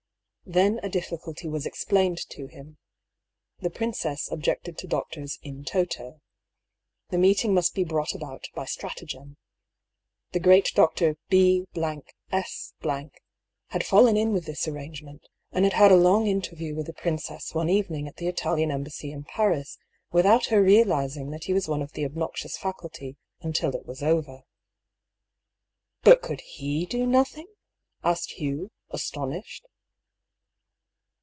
Then a difficulty was explained to him : the princess objected to doctors m toto. The meeting must be brought about by stratagem. The great Dr. B S had fallen in with this arrangement, and had had a long interview with the princess one evening at the Italian Embassy in Paris without her realising that he was one of the obnoxious faculty until it was over. " But could he do nothing ?" asked Hugh, astonished.